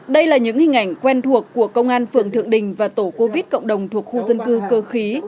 đây là những hình ảnh quen thuộc của công an phường thượng đình và tổ covid cộng đồng thuộc khu dân cư cơ khí